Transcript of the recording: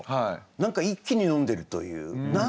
何か一気に飲んでるという。